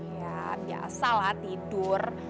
ya biasa lah tidur